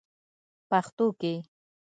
پښتو کې: